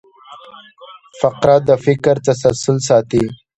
فقره د فکر تسلسل ساتي.